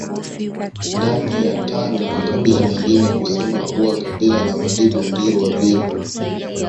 Ndani ya Tanga makabila mengine husema kuwa kabila la Wadigo ndio wavivu